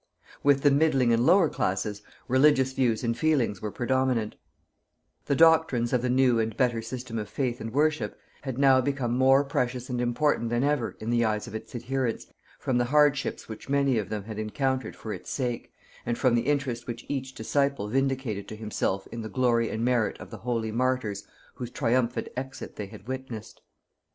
With the middling and lower classes religious views and feelings were predominant The doctrines of the new and better system of faith and worship had now become more precious and important than ever in the eyes of its adherents from the hardships which many of them had encountered for its sake, and from the interest which each disciple vindicated to himself in the glory and merit of the holy martyrs whose triumphant exit they had witnessed.